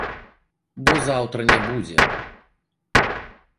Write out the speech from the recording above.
Бо заўтра не будзе.